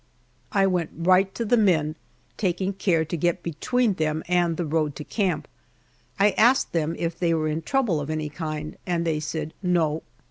I went right to the men, taking care to get between them and the road to camp. I asked them if they were in trouble of any kind, and they said "No."